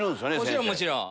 もちろんもちろん。